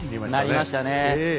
なりましたねえ。